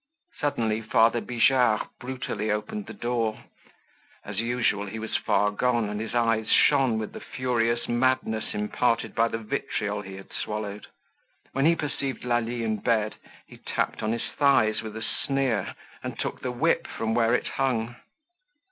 Suddenly father Bijard brutally opened the door. As usual he was far gone, and his eyes shone with the furious madness imparted by the vitriol he had swallowed. When he perceived Lalie in bed, he tapped on his thighs with a sneer, and took the whip from where it hung.